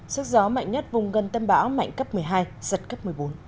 sức gió mạnh nhất vùng gần tâm bão mạnh cấp một mươi hai giật cấp một mươi bốn